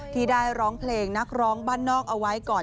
ที่ได้ร้องเพลงนักร้องบ้านนอกเอาไว้ก่อน